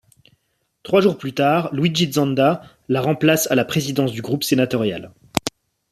Trois jours plus tard, Luigi Zanda la remplace à la présidence du groupe sénatorial.